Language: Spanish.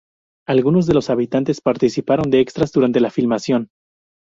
Algunos de los habitantes participaron de extras durante la filmación.